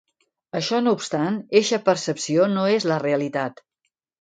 Això no obstant, eixa percepció no és la realitat.